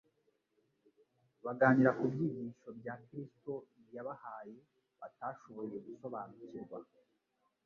baganira ku byigisho bya Kristo yabahaye batashoboye gusobanukirwa.